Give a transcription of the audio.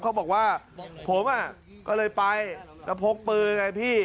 เขาบอกว่าผมก็เลยไปแล้วพกปืนไงพี่